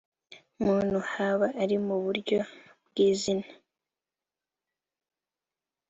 muntu haba ari mu buryo bw izina